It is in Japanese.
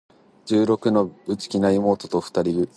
十六の、内気な妹と二人暮しだ。